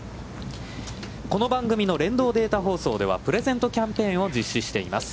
この番組の連動データ放送ではプレゼントキャンペーンを実施しています。